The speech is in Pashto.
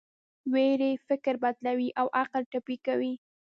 ویرې فکر بدلوي او عقل ټپي کوي.